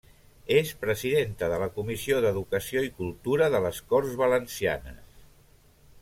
És presidenta de la Comissió d'Educació i Cultura de les Corts Valencianes.